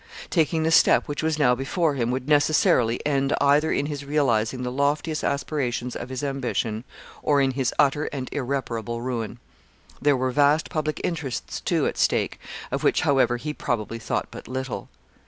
Taking the step which was now before him would necessarily end either in his realizing the loftiest aspirations of his ambition, or in his utter and irreparable ruin. There were vast public interests, too, at stake, of which, however he probably thought but little.